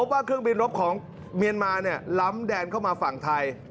ว่าเครื่องบินรบของเมียนมาล้ำแดนเข้ามาฝั่งไทย